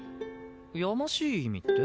やましい意味って？